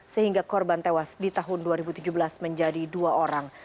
sehingga korban tewas di tahun dua ribu tujuh belas menjadi dua orang